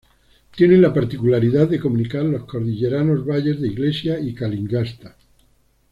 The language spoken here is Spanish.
Tiene la particularidad de comunicar los cordilleranos valles de Iglesia y Calingasta.